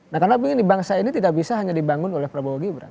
nah karena begini bangsa ini tidak bisa hanya dibangun oleh prabowo gibran